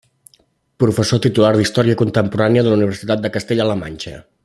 Professor titular d'Història Contemporània de la Universitat de Castella-la Manxa.